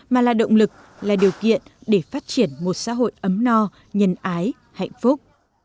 mà là động lực là điều kiện để phát triển một xã hội ấm no nhân ái hạnh phúc